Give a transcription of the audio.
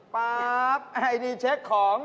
ป๊าบไอดีเช็คของ